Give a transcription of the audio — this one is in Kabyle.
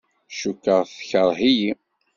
Cukkeɣ tekreh-iyi.